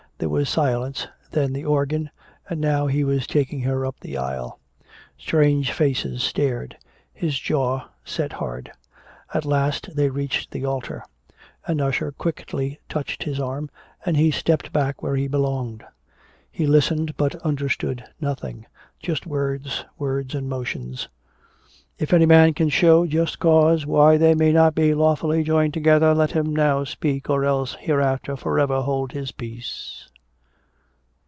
There was silence, then the organ, and now he was taking her up the aisle. Strange faces stared. His jaw set hard. At last they reached the altar. An usher quickly touched his arm and he stepped back where he belonged. He listened but understood nothing. Just words, words and motions. "If any man can show just cause why they may not be lawfully joined together, let him now speak or else hereafter forever hold his peace."